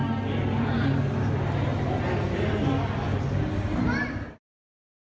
แม้เวลาที่เราอยู่ตรงนี้ก่อน